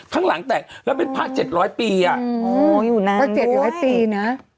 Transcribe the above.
ทั้งหลังแตกแล้วเป็นผ้าเจ็ดร้อยปีอ่ะอ๋ออยู่นานด้วยวัดเจ็ดร้อยปีน่ะ